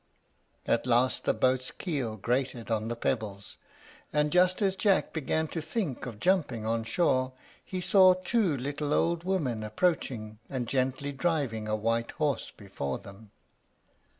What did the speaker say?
At last the boat's keel grated on the pebbles; and just as Jack began to think of jumping on shore, he saw two little old women approaching, and gently driving a white horse before them.